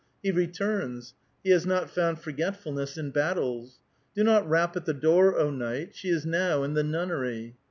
He returns ; he has not found forgetfulness in battles. "Do not rap at the door, O knight ; she is now in the nunnery."